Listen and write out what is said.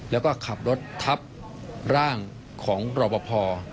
แล้วก็ขับรถทับร่างของรอปภ